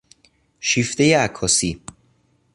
شیفتهی عکاسی